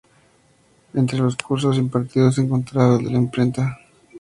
Entre los cursos impartidos se encontraba el de la imprenta.